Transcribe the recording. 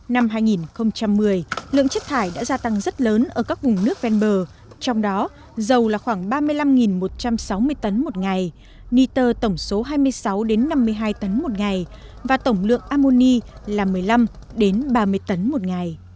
năm hai nghìn một mươi lượng chất thải đã gia tăng rất lớn ở các vùng nước ven bờ trong đó dầu là khoảng ba mươi năm một trăm sáu mươi tấn một ngày niter tổng số hai mươi sáu năm mươi hai tấn một ngày và tổng lượng amuni là một mươi năm ba mươi tấn một ngày